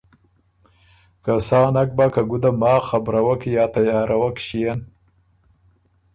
که سا نک بَۀ که ګُده ماخ خبرَوَک یا تیارَوَک ݭيېن،